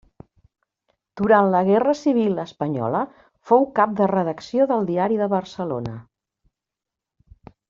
Durant la guerra civil espanyola fou cap de redacció del Diari de Barcelona.